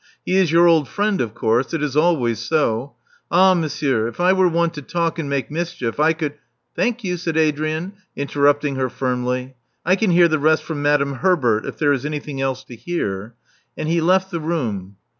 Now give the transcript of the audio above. He is your old friend, of course. It is always so. Ah, monsieur, if I were one to talk and make mischief, I could "Thank you," said Adrian, interrupting her firmly. "I can hear the rest from Madame Herbert, if there is anything else to hear." And he left the room.